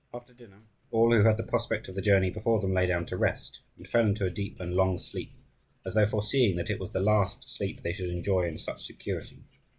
After dinner, all who had the prospect of the journey before them lay down to rest, and fell into a deep and long sleep, as though foreseeing that it was the last sleep they should enjoy in such security.